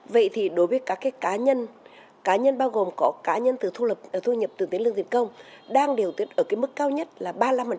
vậy thì đối với các cái cá nhân cá nhân bao gồm có cá nhân từ thu nhập từ tiến lương tiền công đang điều ở cái mức cao nhất là ba mươi năm